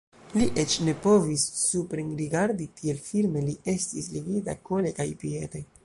Li eĉ ne povis suprenrigardi, tiel firme li estis ligita kole kaj piede.